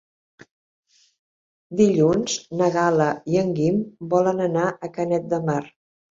Dilluns na Gal·la i en Guim volen anar a Canet de Mar.